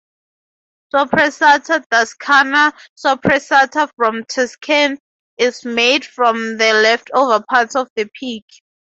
"Soppressata Toscana", soppressata from Tuscany, is made from the leftover parts of the pig.